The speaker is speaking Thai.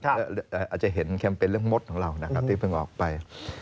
อาจจะเห็นแคมเปญเรื่องมดของเรานะครับที่เพิ่งออกไป